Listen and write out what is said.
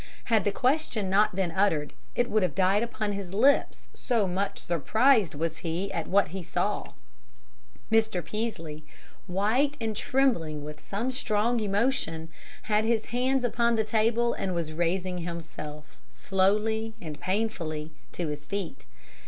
Had the question not been uttered, it would have died upon his lips, so much surprised was he at what he saw. Mr. Peaslee, white and trembling with some strong emotion, had his hands upon the table and was raising himself, slowly and painfully, to his feet.